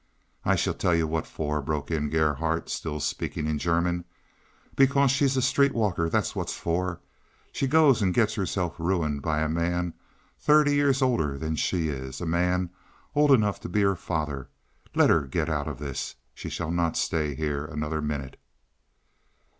"I shall tell you what for," broke in Gerhardt, still speaking in German. "Because she's a street walker, that's what for. She goes and gets herself ruined by a man thirty years older than she is, a man old enough to be her father. Let her get out of this. She shall not stay here another minute."